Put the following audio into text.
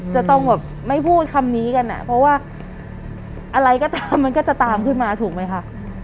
จะต้องแบบไม่พูดคำนี้กันอ่ะเพราะว่าอะไรก็ตามมันก็จะตามขึ้นมาถูกไหมคะ